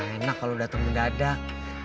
engak kalau dateng mendadak